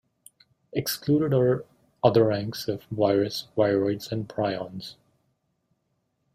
Excluded are other ranks of virus, viroids and prions.